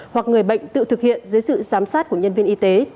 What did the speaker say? hoặc người bệnh tự thực hiện dưới sự giám sát của nhân viên y tế